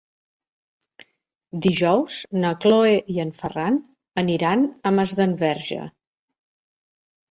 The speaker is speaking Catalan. Dijous na Cloè i en Ferran aniran a Masdenverge.